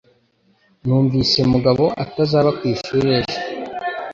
Numvise Mugabo atazaba ku ishuri ejo.